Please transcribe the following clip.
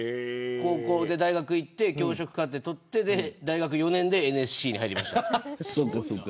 大学に行って、教職課程を取って大学４年でＮＳＣに入りました。